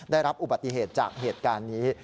ได้รับอุบัติเหตุจากเหตุการณ์นี้